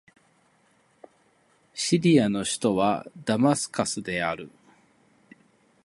シリアの首都はダマスカスである